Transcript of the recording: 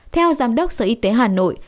theo giám đốc sở y tế hà nội